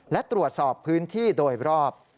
และตรวจสอบพื้นที่โดยรอบ